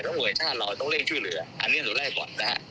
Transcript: ทั้งหมู่ของชาติเราต้องเรียกช่วยเหลืออันนี้ตัวแรกก่อนนะครับ